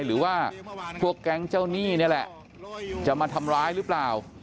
หรือว่าพวกแก๊งเจ้าหนี้นี่แหละจะมาทำร้ายหรือเปล่า